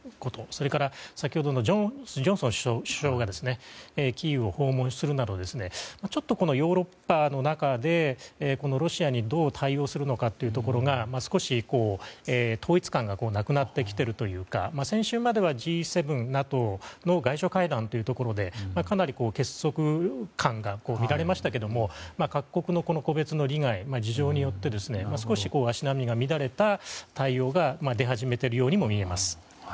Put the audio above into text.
それから、先ほどのジョンソン首相がキーウを訪問するなどちょっとヨーロッパの中でロシアにどう対応するのかというところが少し統一感がなくなってきているというか先週まではＧ７、ＮＡＴＯの外相会談というところでかなり結束感が見られましたけども各国の個別の利害、事情によって少し足並みが乱れた対応が出始めているようにも見えます。